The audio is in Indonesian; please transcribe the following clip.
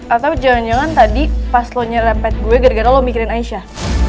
atau jangan jangan tadi pas lo nya rempet gue gara gara lo mikirin aisyah